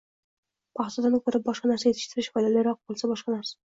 paxtadan ko‘ra boshqa narsa yetishtirish foydaliroq bo‘lsa – boshqa narsa.